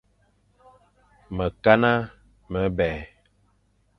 Mekana mebè.